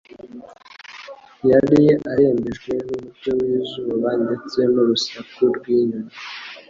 Yari arembejwe n'umucyo w'izuba ndetse n'urusaku rw'inyoni.